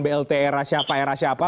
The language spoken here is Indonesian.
blt era siapa era siapa